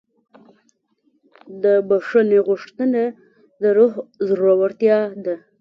د بښنې غوښتنه د روح زړورتیا ده.